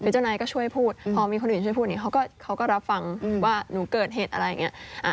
เจ้านายก็ช่วยพูดพอมีคนอื่นช่วยพูดอย่างนี้เขาก็รับฟังว่าหนูเกิดเหตุอะไรอย่างนี้